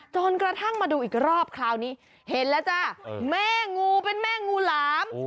จนกระทั่งมาดูอีกรอบคราวนี้เห็นแล้วจ้าแม่งูเป็นแม่งูหลาม